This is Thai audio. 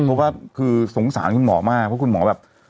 เพราะว่าคือสงสารคุณหมอมากเพราะคุณหมอแบบ